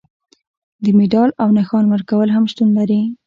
د مډال او نښان ورکول هم شتون لري.